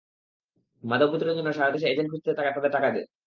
মাদক বিতরণের জন্য সারা দেশে এজেন্ট খুঁজতে তাদের টাকা দে।